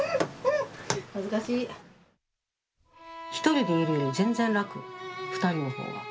１人でいるより全然楽２人の方が。